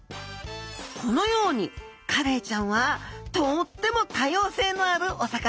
このようにカレイちゃんはとっても多様性のあるお魚。